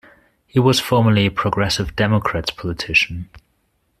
He was formerly a Progressive Democrats politician.